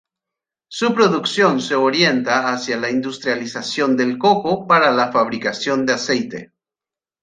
Su producción se orienta hacia la industrialización del coco para la fabricación de aceite.